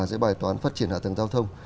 giới bài toán phát triển hạ tầng giao thông